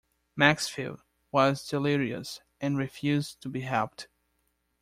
Maxfield, was delirious and refused to be helped.